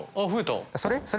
それ？